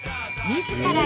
自ら？